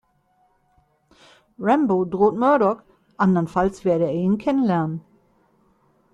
Rambo droht Murdock, andernfalls werde er ihn kennenlernen.